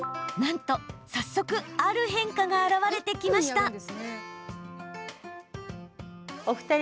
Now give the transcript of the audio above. なんと、早速ある変化が表れてきました。